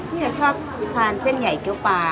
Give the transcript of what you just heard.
พี่จะชอบทานเส้นใหญ่เกี้ยวปลา